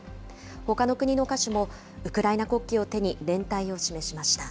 ほかの国の歌手も、ウクライナ国旗を手に、連帯を示しました。